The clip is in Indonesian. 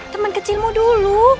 teman kecilmu dulu